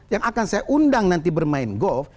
yang akan saya undang nanti bermain golf